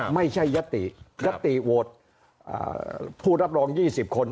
ไม่ใช่ยติยติโหวตผู้รับรอง๒๐คน